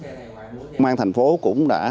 công an thành phố cũng đã